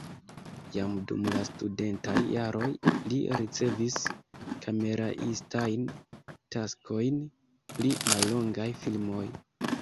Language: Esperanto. Jam dum la studentaj jaroj li ricevis kameraistajn taskojn pri mallongaj filmoj.